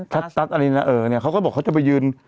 แคนตั๊สอะไรนะเออเนี่ยเค้าบอกเค้าจะไปยืน